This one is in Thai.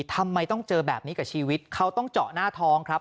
ทำไมต้องเจอแบบนี้กับชีวิตเขาต้องเจาะหน้าท้องครับ